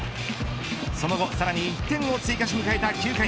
その後さらに１点を追加し迎えた９回。